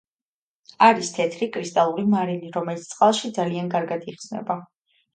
არის თეთრი, კრისტალური მარილი, რომელიც წყალში ძალიან კარგად იხსნება.